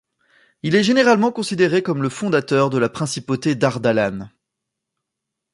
Il est généralement considéré comme le fondateur de la principauté d'Ardalan.